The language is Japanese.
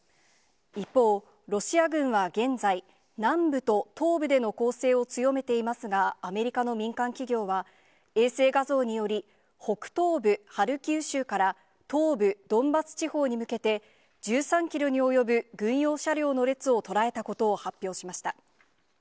一方、ロシア軍は現在、南部と東部での攻勢を強めていますが、アメリカの民間企業は衛星画像により、北東部ハルキウ州から、東部ドンバス地方に向けて、１３キロに及ぶ軍用車両の列を捉えたことを発表しました。